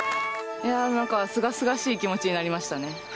いやー、なんかすがすがしい気持ちになりましたね。